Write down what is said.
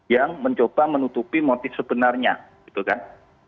yang mencoba menutupi motif sebenarnya gitu kan